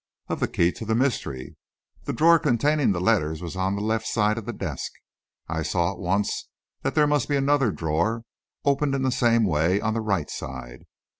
"Of the key to the mystery. The drawer containing the letters was on the left side of the desk; I saw at once that there must be another drawer, opened in the same way, on the right side."